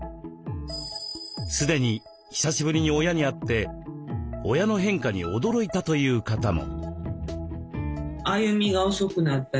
すでに久しぶりに親に会って親の変化に驚いたという方も。